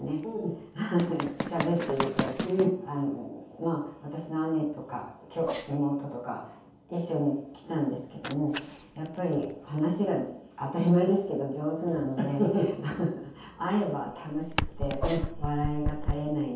まあ私の姉とか妹とか一緒に来たんですけどもやっぱり話が当たり前ですけど上手なので会えば楽しくて笑いが絶えないので。